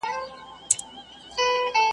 د خیرات په وخت کي د یتیم پزه ویني سي .